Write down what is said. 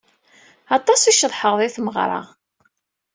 Aṭas i ceḍḥeɣ di tmeɣra.